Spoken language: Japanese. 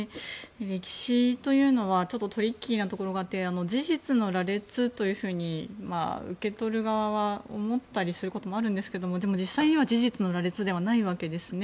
歴史というのはトリッキーなところがあって事実の羅列というふうに受け取る側は思ったりすることもあるんですけども実際には事実の羅列ではないわけですね。